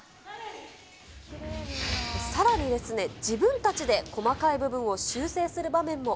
さらにですね、自分たちで細かい部分を修正する場面も。